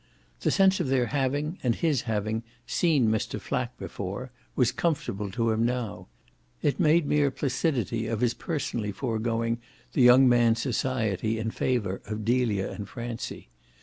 The sense of their having, and his having, seen Mr. Flack before was comfortable to him now: it made mere placidity of his personally foregoing the young man's society in favour of Delia and Francie.